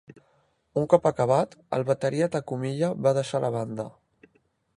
Un cop acabat, el bateria Takumiya va deixar la banda.